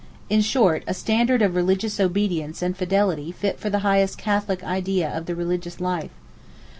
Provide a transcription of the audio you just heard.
In short, a standard of religious obedience and fidelity fit for the highest Catholic idea of the 'religious life.